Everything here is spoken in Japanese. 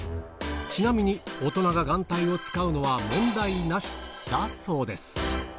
ちなみに、大人が眼帯を使うのは問題なしだそうです。